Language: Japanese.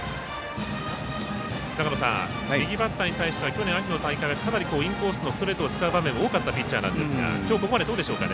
右バッターに対しては去年、秋の大会はかなりインコースのストレートを使う場面も多かったピッチャーなんですが今日、ここまでどうでしょうか。